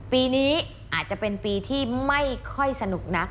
ปีนี้อาจจะเป็นปีที่ไม่ค่อยสนุกนัก